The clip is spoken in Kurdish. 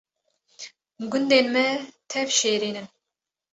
Gundên Me Tev Şêrîn in